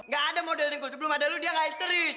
gak ada model dengkul sebelum ada lo dia gak isteris